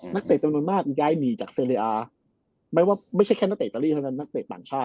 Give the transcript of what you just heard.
นักเตรียมตัวนั้นมากย้ายหนีจากเซเรียไม่ว่าไม่ใช่แค่นักเตรียมเท่านั้น